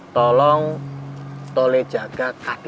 tropis ada tentara di sini